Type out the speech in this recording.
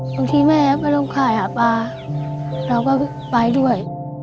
บางทีแม่ไปลงค่ายหาปลาเราก็ไปด้วย